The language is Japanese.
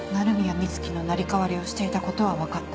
美月の成り代わりをしていたことは分かった。